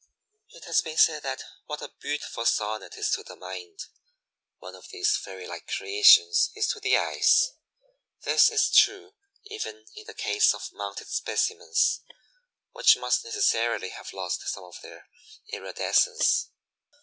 It has been said that what a beautiful sonnet is to the mind, one of these fairy like creations is to the eyes. This is true even in the case of mounted specimens, which must necessarily have lost some of their iridescence.